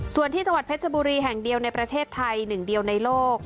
ส่วนที่จังหวัดเพชรบุรีแห่งเดียวในประเทศไทยหนึ่งเดียวในโลก